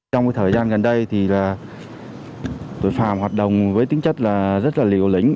trong thời gian gần đây thì là tội phạm hoạt động với tính chất là rất là liều lĩnh